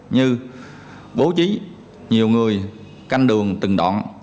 như bố trí nhiều người canh đường từng đoạn